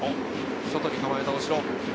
外に構えた大城。